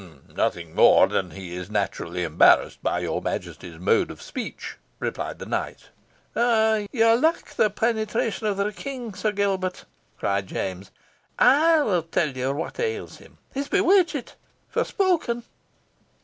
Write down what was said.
"Nothing more than that he is naturally embarrassed by your Majesty's mode of speech," replied the knight. "You lack the penetration of the King, Sir Gilbert," cried James. "I will tell you what ails him. He is bewitchit forespoken."